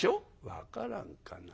「分からんかな。